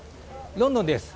ロンドンです。